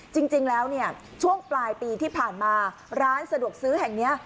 จริงแล้วเนี่ยช่วงปลายปีที่ผ่านมาร้านสะดวกซื้อแห่งนี้